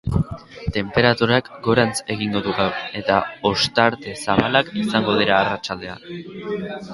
Tenperaturak gorantz egingo du gaur, eta ostarte zabalak izango dira arratsaldean.